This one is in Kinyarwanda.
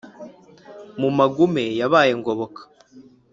Mu magume yabaye Ngoboka,